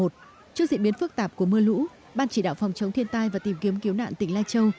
trước diễn biến phức tạp của mưa lũ ban chỉ đạo phòng chống thiên tai và tìm kiếm cứu nạn tỉnh lai châu